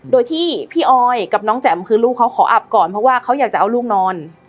โดยที่พี่ออยกับน้องแจ๋มคือลูกเขาขออับก่อนเพราะว่าเขาอยากจะเอาลูกนอน